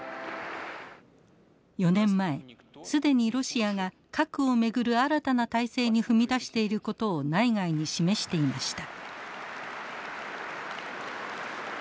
４年前既にロシアが核を巡る新たな態勢に踏み出していることを内外に示していました。